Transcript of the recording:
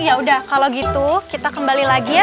yaudah kalo gitu kita kembali lagi ya